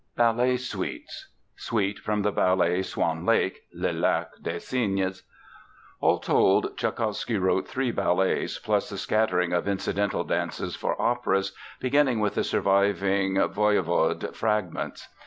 BALLET SUITES SUITE FROM THE BALLET, Swan Lake (Le Lac des Cygnes) All told, Tschaikowsky wrote three ballets, plus a scattering of incidental dances for operas, beginning with the surviving "Voyevode" fragments.